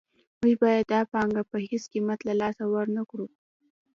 موږ باید دا پانګه په هېڅ قیمت له لاسه ورنکړو